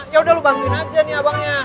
ya udah lu bantuin aja nih abangnya